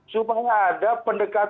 supaya ada pendekatan baru dalam pendekatan